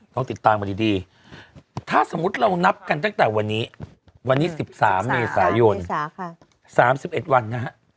ต้องติดตามมาดีถ้าสมมุติเรานับกันตั้งแต่วันนี้วันนี้๑๓เมษายน๓๑วันนะฮะ